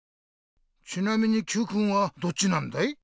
ちなみにＱくんはどっちなんだい？